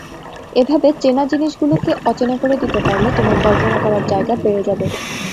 এভাবে চেনা জিনিসগুলোকে অচেনা করে দিতে পারলে তোমার কল্পনা করার জায়গা বেড়ে যাবে।